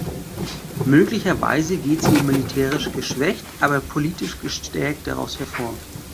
Möglicherweise geht sie militärisch geschwächt, aber politisch gestärkt daraus hervor.